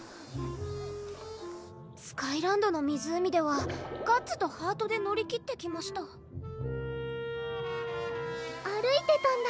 スカイランドの湖ではガッツとハートで乗り切ってきました歩いてたんだ